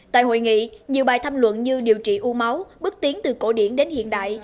tại hội nghị nhiều bài thăm luận như điều trị u máu bước tiến từ cổ điển đến hiện đại